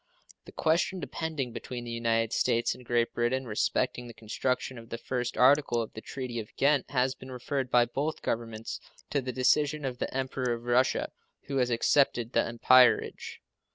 The question depending between the United States and Great Britain respecting the construction of the first article of the treaty of Ghent has been referred by both Governments to the decision of the Emperor of Russia, who has accepted the umpirage.